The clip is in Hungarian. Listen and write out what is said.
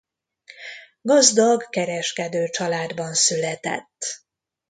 Gazdag kereskedőcsaládban született.